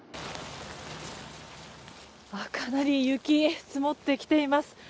かなり雪が積もってきています。